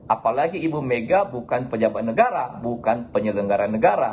apalagi ibu mega bukan pejabat negara bukan penyelenggara negara